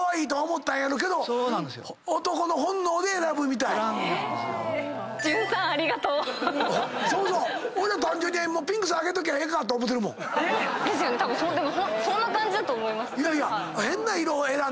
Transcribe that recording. たぶんそんな感じだと思います。